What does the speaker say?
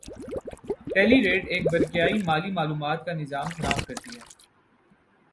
ٹیلیریٹ ایک برقیائی مالی معلومات کا نظام فراہم کرتی ہے